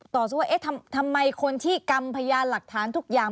ต่อสู้ว่าทำไมคนที่กำพยาหลักฐานทุกอย่าง